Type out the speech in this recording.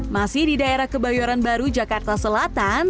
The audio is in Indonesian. masih di daerah kebayoran baru jakarta selatan